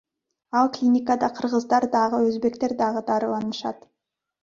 Ал клиникада кыргыздар дагы, өзбектер дагы дарыланышат.